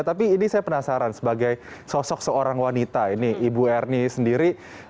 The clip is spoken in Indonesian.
tapi ini saya penasaran sebagai sosok seorang wanita ini ibu ernie sendiri